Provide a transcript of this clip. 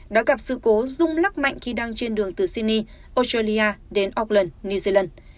đã gặp sự cố rung lắc mạnh khi đang trên đường từ sydney australia đến auckland new zealand